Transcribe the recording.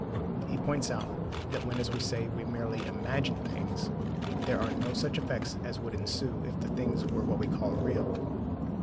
He points out that when, as we say, we merely "imagine" things, there are no such effects as would ensue if the things were what we call "real."